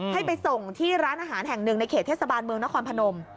ให้ไปส่งที่ร้านอาหารแห่งหนึ่งในเขตเทศบาลเมืองนครพนม